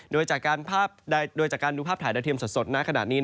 โดยจากการดูภาพถ่ายดาวเทียมสดณขณะนี้